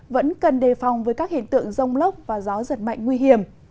vẫn cần đề phòng với các hiện tượng rông lốc và gió giật mạnh nguy hiểm